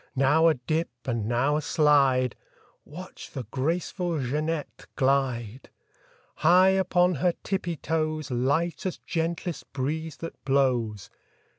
Now a dip and now a slide— Watch the graceful Jeanette glide! High upon her tippy toes, Light as gentlest breeze that blows.